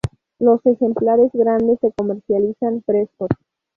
Los ejemplares grandes se comercializan frescos.